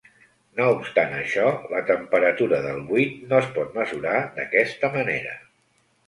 No obstant això, la temperatura del buit no es pot mesurar d'aquesta manera.